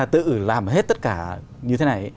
tự làm hết tất cả như thế này